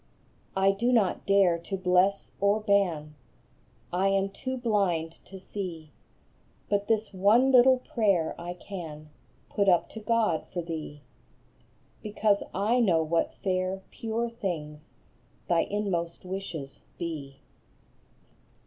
I do not dare to bless or ban, / am too blind to see, But this one little prayer I can Put up to God for thee, Because I know what fair, pure things Thy inmost wishes be ; vm A BENEDICTION.